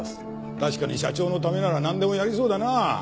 確かに社長のためならなんでもやりそうだな。